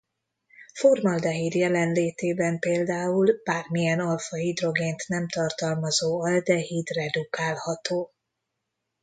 Formaldehid jelenlétében például bármilyen alfa-hidrogént nem tartalmazó aldehid redukálható.